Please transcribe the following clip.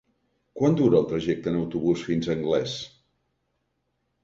Quant dura el trajecte en autobús fins a Anglès?